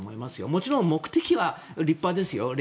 もちろん目的は立派ですよ。